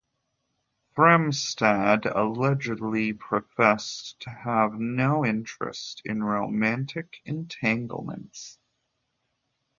Fremstad allegedly professed to have no interest in romantic entanglements.